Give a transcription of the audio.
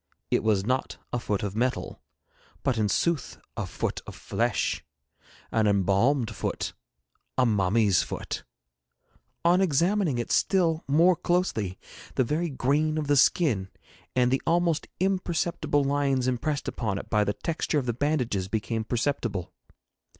It was not a foot of metal, but in sooth a foot of flesh, an embalmed foot, a mummy's foot. On examining it still more closely the very grain of the skin, and the almost imperceptible lines impressed upon it by the texture of the bandages, became perceptible.